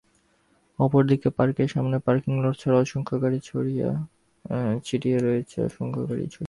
অপর দিকে পার্কের সামনে পার্কিং লট ছাড়াও ছড়িয়ে ছিটিয়ে রয়েছে অসংখ্য গাড়ি।